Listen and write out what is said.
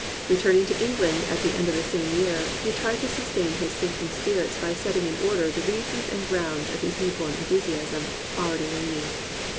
Returning to England at the end of the same year, he tried to sustain his sinking spirits by setting in order the reasons and grounds of his new born enthusiasm, already waning.